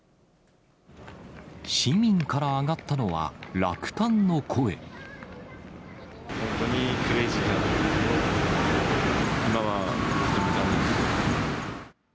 市民から上がったのは、本当にクレイジーだなと、今は本当に残念です。